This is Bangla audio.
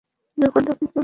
যখনই ডাকি চলে আসে।